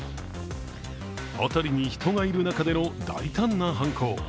あたりに人がいる中での大胆な犯行。